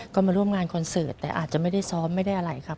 ก็มาร่วมงานคอนเสิร์ตแต่อาจจะไม่ได้ซ้อมไม่ได้อะไรครับ